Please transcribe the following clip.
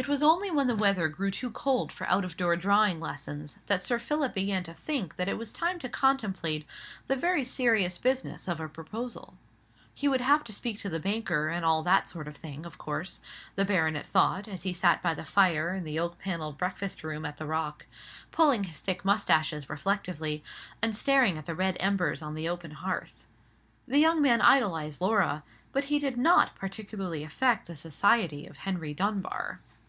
It was only when the weather grew too cold for out of door drawing lessons that Sir Philip began to think that it was time to contemplate the very serious business of a proposal. He would have to speak to the banker, and all that sort of thing, of course, the baronet thought, as he sat by the fire in the oak panelled breakfast room at the Rock, pulling his thick moustaches reflectively, and staring at the red embers on the open hearth. The young man idolized Laura; but he did not particularly affect the society of Henry Dunbar.